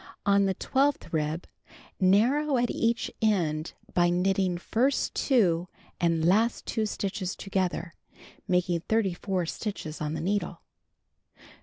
On the twelfth rib, narrow at each end by knitting first 2 and last 2 stitches together, making 34 stitches on the needle.